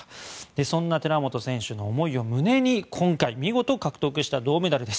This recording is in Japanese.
そんな寺本選手の思いを胸に今回見事獲得した銅メダルです。